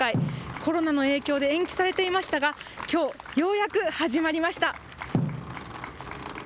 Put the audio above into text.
コロナの影響で延期されていましたが、きょう、ようやく始まりました。